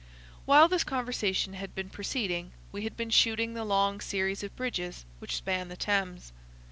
While this conversation had been proceeding, we had been shooting the long series of bridges which span the Thames.